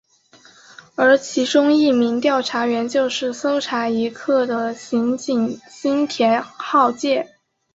而其中一名调查员就是搜查一课的刑警新田浩介。